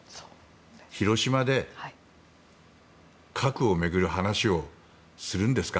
・広島で核を巡る話をするんですか？